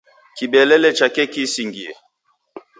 Kibelele cha keki isingie.